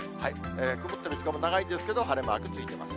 曇ってる時間も長いんですけど、晴れマークついてます。